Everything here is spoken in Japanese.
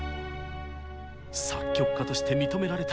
作曲家として認められたい。